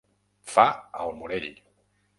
Fa el Morell.